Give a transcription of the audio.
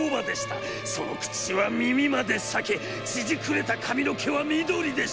その口は耳までさけ、ちぢくれた髪の毛は緑でした。